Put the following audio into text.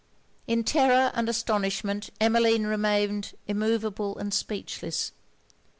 In terror and astonishment, Emmeline remained immovable and speechless.